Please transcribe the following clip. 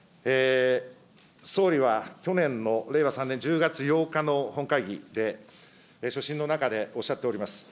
総理は去年の令和３年１０月８日の本会議で、所信の中でおっしゃっております。